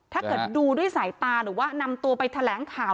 ถ้าเกิดดูด้วยสายตาหรือว่านำตัวไปแถลงข่าว